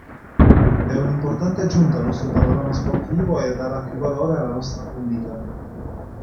È un'importante aggiunta al nostro panorama sportivo, e darà più valore alla nostra comunità.